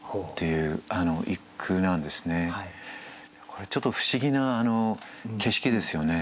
これちょっと不思議な景色ですよね。